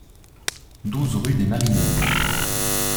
douze rue des Marizys